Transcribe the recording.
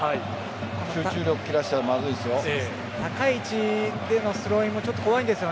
集中力切らしたらまずいですよ。